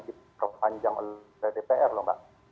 diperpanjang oleh dpr loh mbak